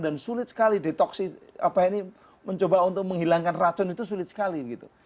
dan sulit sekali detoksi mencoba untuk menghilangkan racun itu sulit sekali gitu